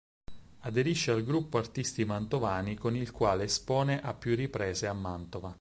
Aderisce al "Gruppo Artisti Mantovani" con il quale espone a più riprese a Mantova.